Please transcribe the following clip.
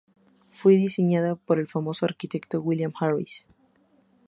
Fue diseñada por el famoso arquitecto William Harris.